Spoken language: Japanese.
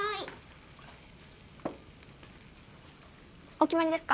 お決まりですか？